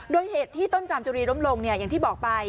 โดยเหตุที่ต้นจามจุรีล้มลงอย่างที่บอกไป